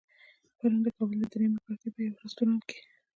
پرون د کابل د درېیمې کارتې په يوه رستورانت کې.